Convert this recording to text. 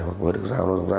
hoặc vỡ được dao nó đập dao